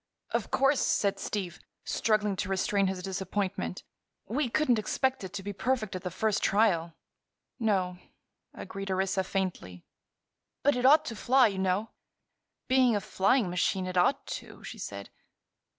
"Of course," said Steve, struggling to restrain his disappointment, "we couldn't expect it to be perfect at the first trial." "No," agreed Orissa, faintly. "But it ought to fly, you know." "Being a flying machine, it ought to," she said.